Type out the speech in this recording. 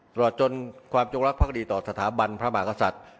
ตลอดจนความจงรักภักดีต่อสถาบันพระมหากษัตริย์